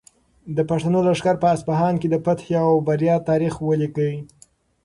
د پښتنو لښکر په اصفهان کې د فتحې او بریا تاریخ ولیکه.